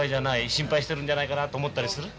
心配してるんじゃないかなと思ったりする？